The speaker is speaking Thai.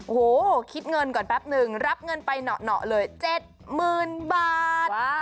โอ้โหคิดเงินก่อนแป๊บนึงรับเงินไปเหนาะเลย๗๐๐๐๐บาท